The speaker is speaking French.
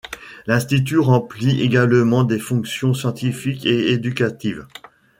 L’institut remplit également des fonctions scientifiques et éducatives.